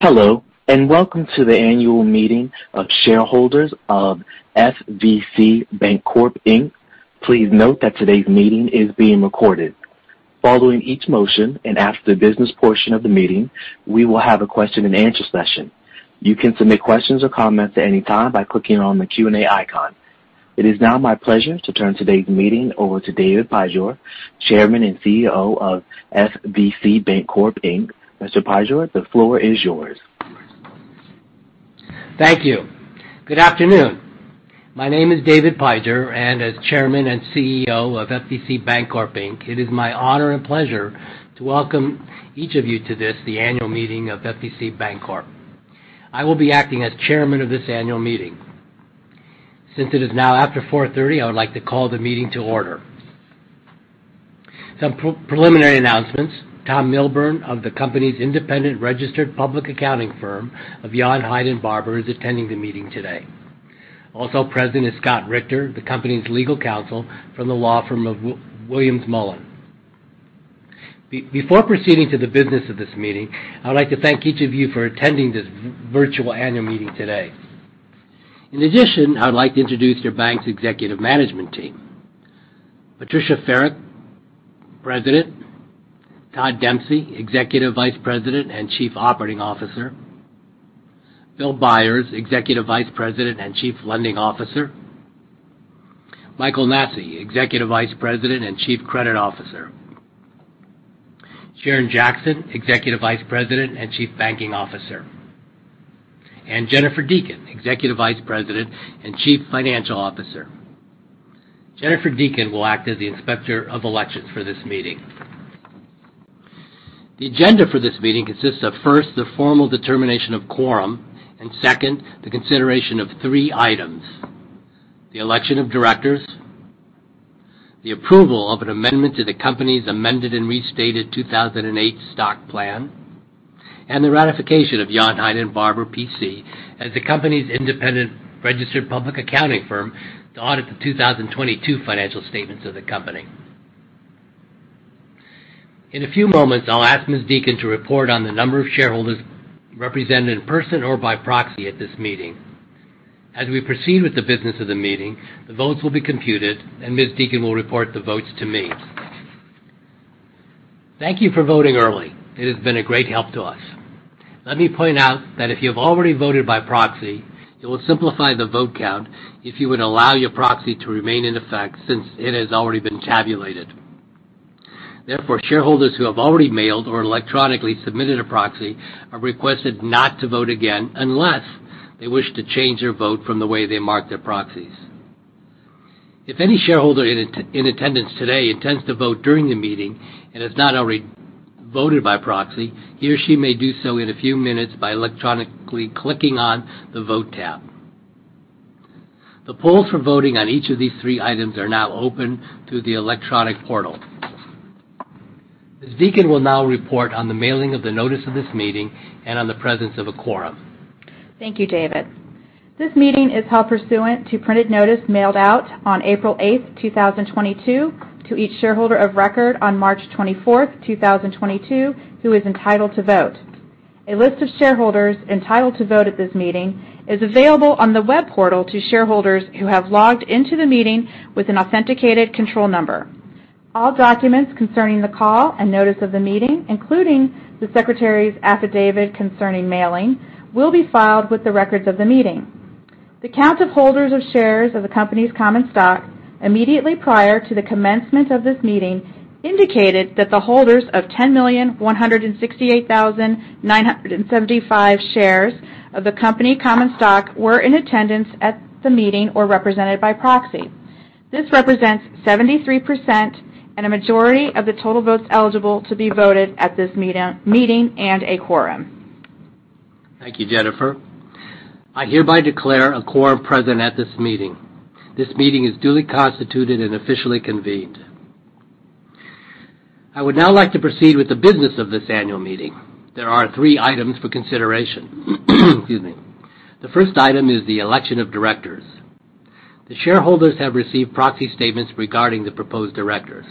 Hello, and welcome to the annual meeting of shareholders of FVCBankcorp, Inc. Please note that today's meeting is being recorded. Following each motion and after the business portion of the meeting, we will have a question and answer session. You can submit questions or comments at any time by clicking on the Q&A icon. It is now my pleasure to turn today's meeting over to David W. Pijor, Chairman and CEO of FVCBankcorp, Inc. Mr. Pijor, the floor is yours. Thank you. Good afternoon. My name is David Pijor, and as Chairman and CEO of FVCBankcorp, Inc., it is my honor and pleasure to welcome each of you to this, the annual meeting of FVCBankcorp. I will be acting as chairman of this annual meeting. Since it is now after 4:30 P.M., I would like to call the meeting to order. Some preliminary announcements. Tom Milburn of the company's independent registered public accounting firm of Yount, Hyde & Barbour is attending the meeting today. Also present is Scott Richter, the company's legal counsel from the law firm of Williams Mullen. Before proceeding to the business of this meeting, I would like to thank each of you for attending this virtual annual meeting today. In addition, I would like to introduce your bank's executive management team. Patricia Ferrick, President. Todd Dempsey, Executive Vice President and Chief Operating Officer. Bill Byers, Executive Vice President and Chief Lending Officer. Michael Nassi, Executive Vice President and Chief Credit Officer. Sharon Jackson, Executive Vice President and Chief Banking Officer. Jennifer Deacon, Executive Vice President and Chief Financial Officer. Jennifer Deacon will act as the Inspector of Elections for this meeting. The agenda for this meeting consists of, first, the formal determination of quorum, and second, the consideration of three items, the election of directors, the approval of an amendment to the company's amended and restated 2008 stock plan, and the ratification of Yount, Hyde & Barbour, P.C. as the company's independent registered public accounting firm to audit the 2022 financial statements of the company. In a few moments, I'll ask Ms. Deacon to report on the number of shareholders represented in person or by proxy at this meeting. As we proceed with the business of the meeting, the votes will be computed, and Ms. Deacon will report the votes to me. Thank you for voting early. It has been a great help to us. Let me point out that if you have already voted by proxy, it will simplify the vote count if you would allow your proxy to remain in effect since it has already been tabulated. Therefore, shareholders who have already mailed or electronically submitted a proxy are requested not to vote again unless they wish to change their vote from the way they marked their proxies. If any shareholder in attendance today intends to vote during the meeting and has not already voted by proxy, he or she may do so in a few minutes by electronically clicking on the Vote tab. The polls for voting on each of these three items are now open through the electronic portal. Ms. Deacon will now report on the mailing of the notice of this meeting and on the presence of a quorum. Thank you, David. This meeting is held pursuant to printed notice mailed out on April 8, 2022 to each shareholder of record on March 24, 2022, who is entitled to vote. A list of shareholders entitled to vote at this meeting is available on the web portal to shareholders who have logged into the meeting with an authenticated control number. All documents concerning the call and notice of the meeting, including the secretary's affidavit concerning mailing, will be filed with the records of the meeting. The count of holders of shares of the company's common stock immediately prior to the commencement of this meeting indicated that the holders of 10,168,975 shares of the company common stock were in attendance at the meeting or represented by proxy. This represents 73% and a majority of the total votes eligible to be voted at this meeting and a quorum. Thank you, Jennifer. I hereby declare a quorum present at this meeting. This meeting is duly constituted and officially convened. I would now like to proceed with the business of this annual meeting. There are three items for consideration. Excuse me. The first item is the election of directors. The shareholders have received proxy statements regarding the proposed directors.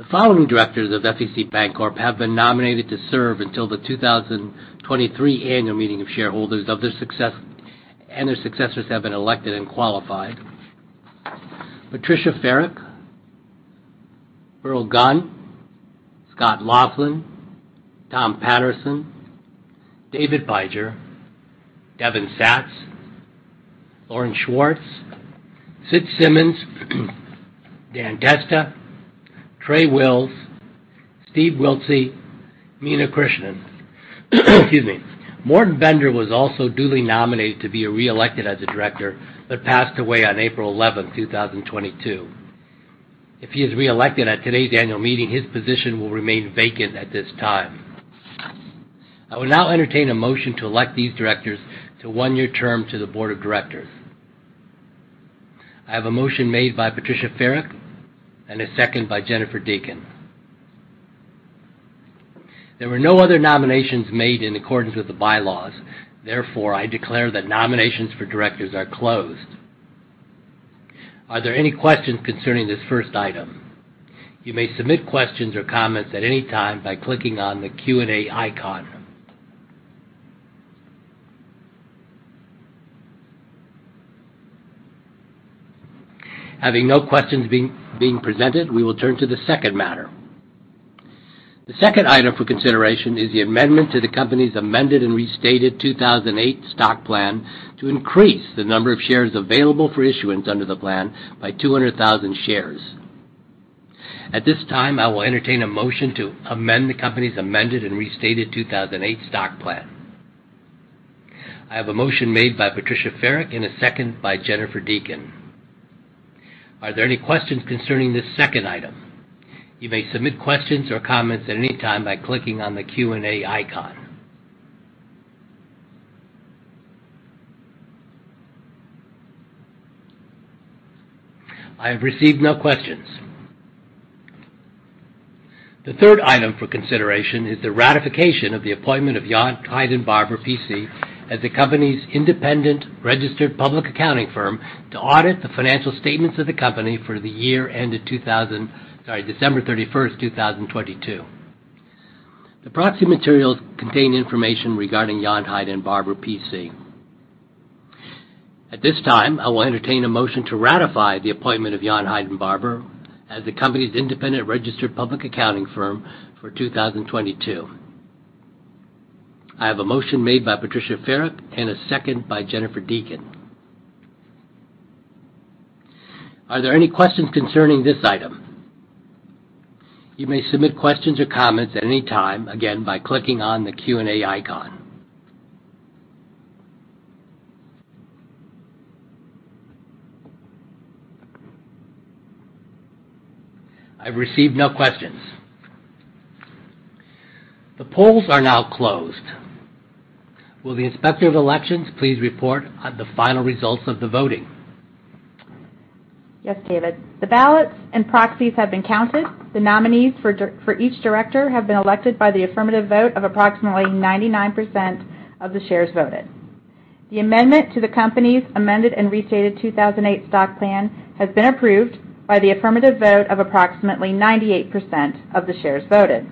The following directors of FVCBankcorp have been nominated to serve until the 2023 annual meeting of shareholders and their successors have been elected and qualified. Patricia Ferrick, Earl Gunn, Scott Laughlin, Tom Patterson, David Pijor, Devin Satz, Lauren Schwartz, Sid Simmons, Dan Testa, Trey Wills, Steve Wiltse, Meena Krishnan. Excuse me. Morton Bender was also duly nominated to be reelected as a director, but passed away on April 11, 2022. If he is reelected at today's annual meeting, his position will remain vacant at this time. I will now entertain a motion to elect these directors to one-year term to the board of directors. I have a motion made by Patricia Ferrick and a second by Jennifer Deacon. There were no other nominations made in accordance with the bylaws. Therefore, I declare that nominations for directors are closed. Are there any questions concerning this first item? You may submit questions or comments at any time by clicking on the Q&A icon. Having no questions being presented, we will turn to the second matter. The second item for consideration is the amendment to the company's amended and restated 2008 stock plan to increase the number of shares available for issuance under the plan by 200,000 shares. At this time, I will entertain a motion to amend the company's amended and restated 2008 stock plan. I have a motion made by Patricia Ferrick and a second by Jennifer Deacon. Are there any questions concerning this second item? You may submit questions or comments at any time by clicking on the Q&A icon. I have received no questions. The third item for consideration is the ratification of the appointment of Yount, Hyde & Barbour, P.C. as the company's independent registered public accounting firm to audit the financial statements of the company for the year ended December 31, 2022. The proxy materials contain information regarding Yount, Hyde & Barbour, P.C. At this time, I will entertain a motion to ratify the appointment of Yount, Hyde & Barbour as the company's independent registered public accounting firm for 2022. I have a motion made by Patricia Ferrick and a second by Jennifer Deacon. Are there any questions concerning this item? You may submit questions or comments at any time, again, by clicking on the Q&A icon. I've received no questions. The polls are now closed. Will the Inspector of Elections please report on the final results of the voting? Yes, David. The ballots and proxies have been counted. The nominees for each director have been elected by the affirmative vote of approximately 99% of the shares voted. The amendment to the company's amended and restated 2008 stock plan has been approved by the affirmative vote of approximately 98% of the shares voted.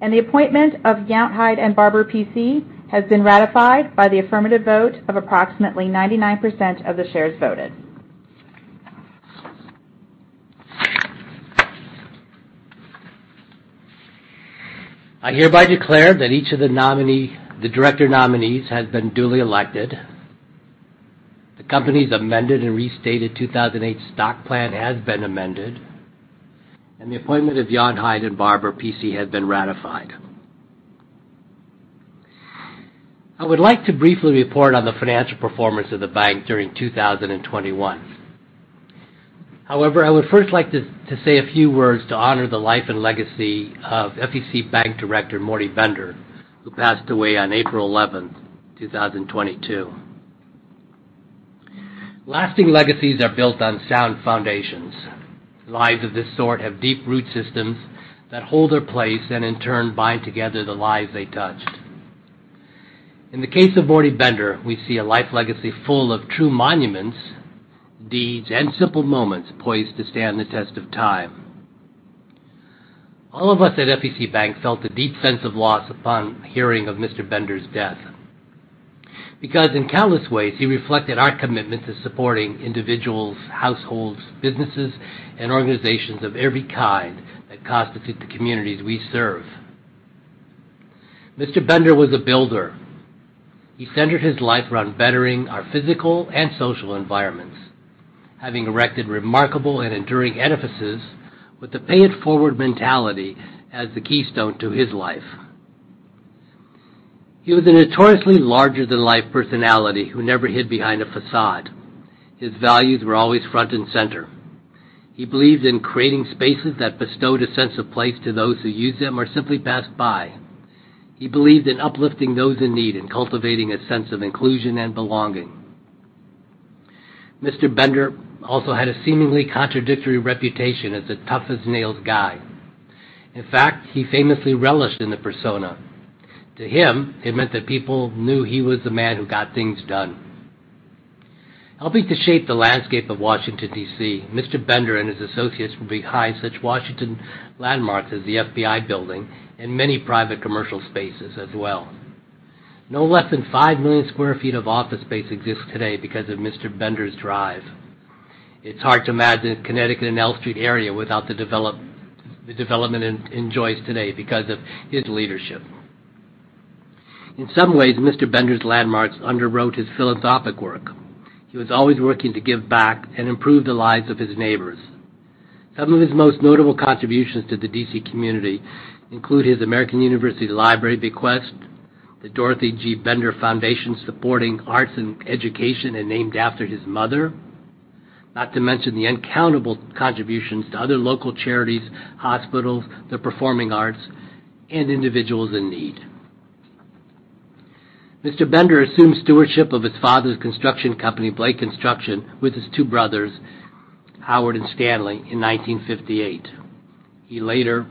The appointment of Yount, Hyde & Barbour, P.C. has been ratified by the affirmative vote of approximately 99% of the shares voted. I hereby declare that each of the director nominees has been duly elected, the company's amended and restated 2008 stock plan has been amended, and the appointment of Yount, Hyde & Barbour, P.C. has been ratified. I would like to briefly report on the financial performance of the bank during 2021. However, I would first like to say a few words to honor the life and legacy of FVCbank Director Morton Bender, who passed away on April 11, 2022. Lasting legacies are built on sound foundations. Lives of this sort have deep root systems that hold their place and in turn bind together the lives they touched. In the case of Morton Bender, we see a life legacy full of true monuments, deeds, and simple moments poised to stand the test of time. All of us at FVCbank felt a deep sense of loss upon hearing of Mr. Bender's death because in countless ways, he reflected our commitment to supporting individuals, households, businesses, and organizations of every kind that constitute the communities we serve. Mr. Bender was a builder. He centered his life around bettering our physical and social environments. Having erected remarkable and enduring edifices with the pay-it-forward mentality as the keystone to his life. He was a notoriously larger-than-life personality who never hid behind a facade. His values were always front and center. He believed in creating spaces that bestowed a sense of place to those who used them or simply passed by. He believed in uplifting those in need and cultivating a sense of inclusion and belonging. Mr. Bender also had a seemingly contradictory reputation as a tough-as-nails guy. In fact, he famously relished in the persona. To him, it meant that people knew he was the man who got things done. Helping to shape the landscape of Washington, D.C., Mr. Bender and his associates were behind such Washington landmarks as the FBI building and many private commercial spaces as well. No less than 5 million sq ft of office space exists today because of Mr. Bender's drive. It's hard to imagine Connecticut and L Street area without the development enjoys today because of his leadership. In some ways, Mr. Bender's landmarks underwrote his philanthropic work. He was always working to give back and improve the lives of his neighbors. Some of his most notable contributions to the D.C. community include his American University library bequest, the Dorothy G. Bender Foundation supporting arts and education and named after his mother, not to mention the uncountable contributions to other local charities, hospitals, the performing arts, and individuals in need. Mr. Bender assumed stewardship of his father's construction company, Blake Construction, with his two brothers, Howard and Stanley, in 1958. He later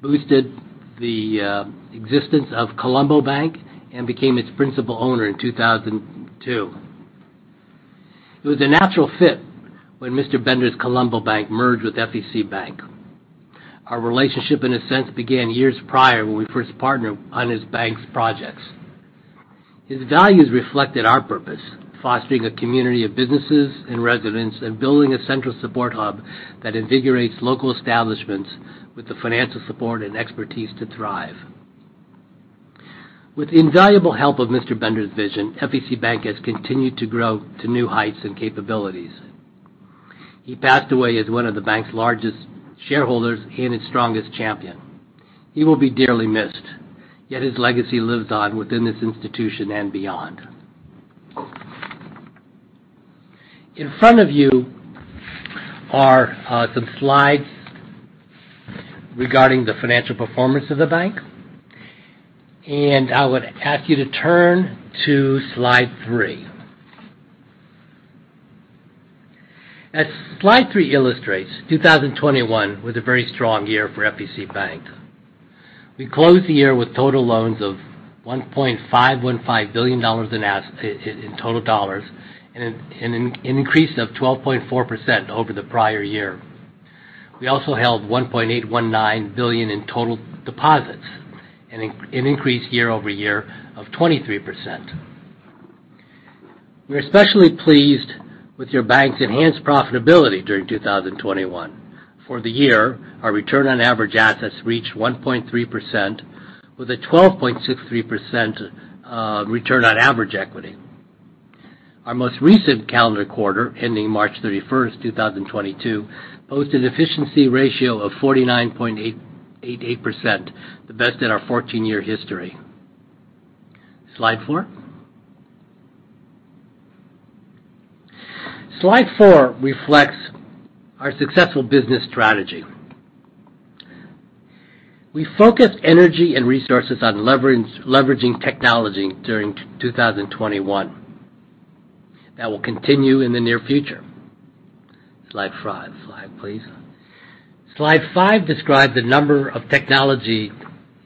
boosted the existence of Colombo Bank and became its principal owner in 2002. It was a natural fit when Mr. Bender's Colombo Bank merged with FVCbank. Our relationship, in a sense, began years prior when we first partnered on his bank's projects. His values reflected our purpose, fostering a community of businesses and residents and building a central support hub that invigorates local establishments with the financial support and expertise to thrive. With the invaluable help of Mr. Bender's vision, FVCbank has continued to grow to new heights and capabilities. He passed away as one of the bank's largest shareholders and its strongest champion. He will be dearly missed, yet his legacy lives on within this institution and beyond. In front of you are some slides regarding the financial performance of the bank, and I would ask you to turn to slide three. As slide three illustrates, 2021 was a very strong year for FVCbank. We closed the year with total loans of $1.515 billion in total dollars and an increase of 12.4% over the prior year. We also held $1.819 billion in total deposits, an increase year-over-year of 23%. We're especially pleased with your bank's enhanced profitability during 2021. For the year, our return on average assets reached 1.3% with a 12.63% return on average equity. Our most recent calendar quarter ending March 31, 2022, posted an efficiency ratio of 49.888%, the best in our 14-year history. Slide four. Slide four reflects our successful business strategy. We focused energy and resources on leveraging technology during 2021. That will continue in the near future. Slide five. Slide, please. Slide five describes the number of technology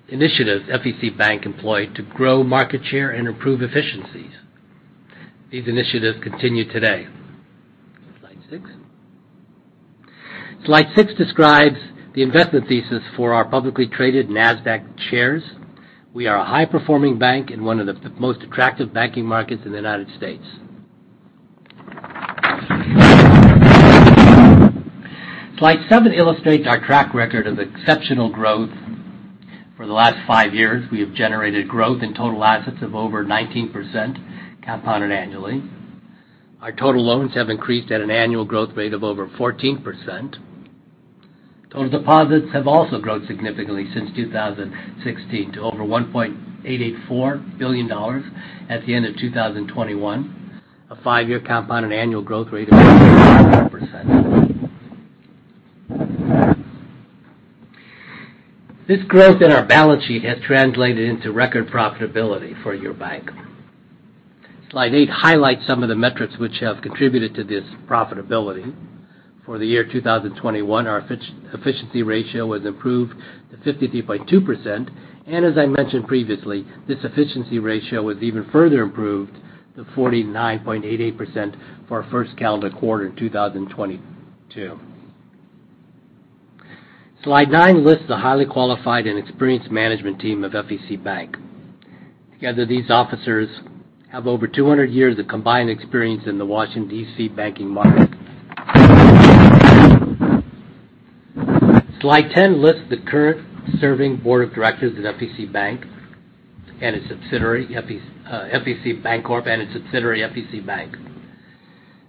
initiatives FVCbank employed to grow market share and improve efficiencies. These initiatives continue today. Slide six. Slide six describes the investment thesis for our publicly traded NASDAQ shares. We are a high-performing bank in one of the most attractive banking markets in the United States. Slide seven illustrates our track record of exceptional growth. For the last 5 years, we have generated growth in total assets of over 19% compounded annually. Our total loans have increased at an annual growth rate of over 14%. Total deposits have also grown significantly since 2016 to over $1.884 billion at the end of 2021, a 5-year compounded annual growth rate of percent. This growth in our balance sheet has translated into record profitability for your bank. Slide eight highlights some of the metrics which have contributed to this profitability. For the year 2021, our efficiency ratio was improved to 52.2%, and as I mentioned previously, this efficiency ratio was even further improved to 49.88% for our first calendar quarter in 2022. Slide nine lists the highly qualified and experienced management team of FVCbank. Together, these officers have over 200 years of combined experience in the Washington, D.C. banking market. Slide 10 lists the currently serving board of directors at FVCbank and its subsidiary FVCBankcorp and its subsidiary FVCbank.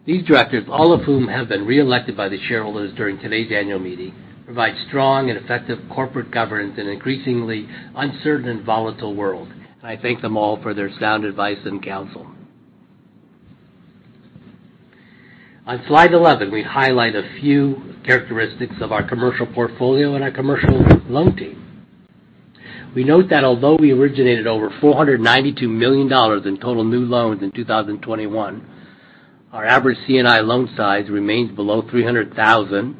These directors, all of whom have been reelected by the shareholders during today's annual meeting, provide strong and effective corporate governance in an increasingly uncertain and volatile world. I thank them all for their sound advice and counsel. On slide 11, we highlight a few characteristics of our commercial portfolio and our commercial loan team. We note that although we originated over $492 million in total new loans in 2021, our average C&I loan size remains below $300,000,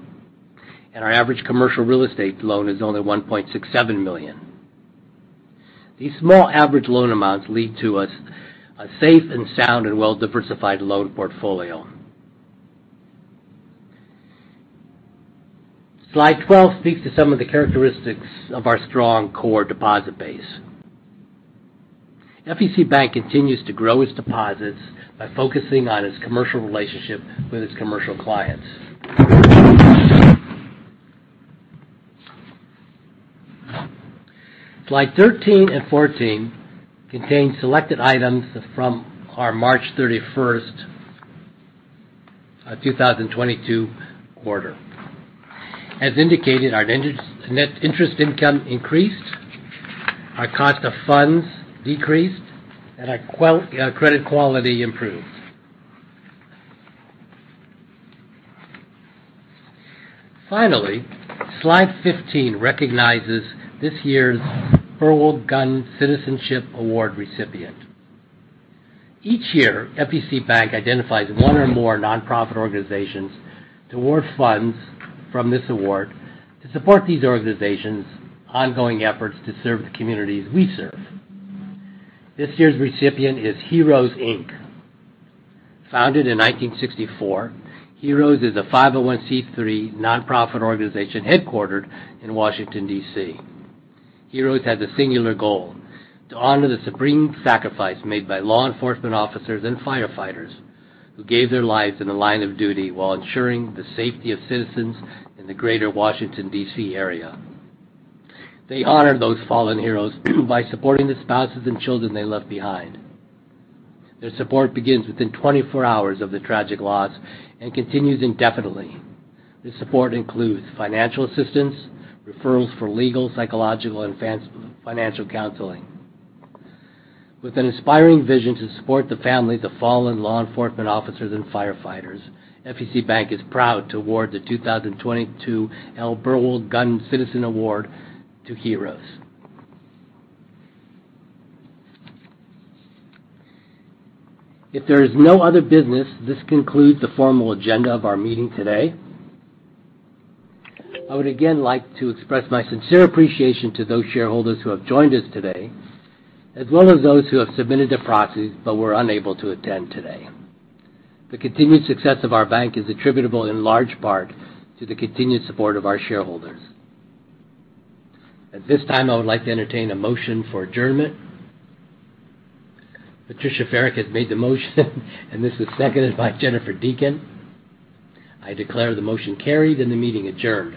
and our average commercial real estate loan is only $1.67 million. These small average loan amounts lead to a safe and sound and well-diversified loan portfolio. Slide 12 speaks to some of the characteristics of our strong core deposit base. FVCbank continues to grow its deposits by focusing on its commercial relationship with its commercial clients. Slide 13 and 14 contain selected items from our March 31, 2022 quarter. As indicated, our net interest income increased, our cost of funds decreased, and our credit quality improved. Finally, slide 15 recognizes this year's L. Burwell-Gunn Citizen Award recipient. Each year, FVCbank identifies one or more nonprofit organizations to award funds from this award to support these organizations' ongoing efforts to serve the communities we serve. This year's recipient is Heroes, Inc. Founded in 1964, Heroes is a 501(c)(3) nonprofit organization headquartered in Washington, D.C. Heroes has a singular goal, to honor the supreme sacrifice made by law enforcement officers and firefighters who gave their lives in the line of duty while ensuring the safety of citizens in the Greater Washington, D.C. area. They honor those fallen heroes by supporting the spouses and children they left behind. Their support begins within 24 hours of the tragic loss and continues indefinitely. This support includes financial assistance, referrals for legal, psychological, and financial counseling. With an inspiring vision to support the families of fallen law enforcement officers and firefighters, FVCbank is proud to award the 2022 L. Burwell Gunn Citizen Award to Heroes, Inc. If there is no other business, this concludes the formal agenda of our meeting today. I would again like to express my sincere appreciation to those shareholders who have joined us today, as well as those who have submitted their proxies but were unable to attend today. The continued success of our bank is attributable in large part to the continued support of our shareholders. At this time, I would like to entertain a motion for adjournment. Patricia Ferrick made the motion, and this is seconded by Jennifer Deacon. I declare the motion carried and the meeting adjourned.